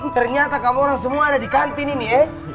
ternyata kamu orang semua ada di kantin ini ya